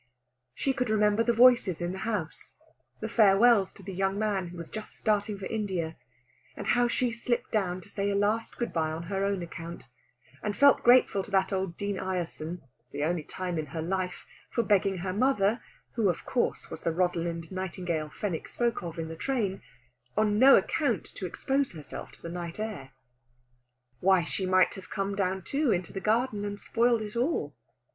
She could remember the voices in the house, the farewells to the young man who was just starting for India, and how she slipped down to say a last good bye on her own account, and felt grateful to that old Dean Ireson (the only time in her life) for begging her mother (who, of course, was the Rosalind Nightingale Fenwick spoke of in the train) on no account to expose herself to the night air. Why, she might have come down, too, into the garden, and spoiled it all!